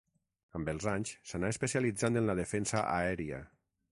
Amb els anys s'anà especialitzant en la defensa aèria.